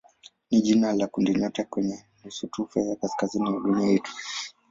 ni jina la kundinyota kwenye nusutufe ya kaskazini ya dunia yetu.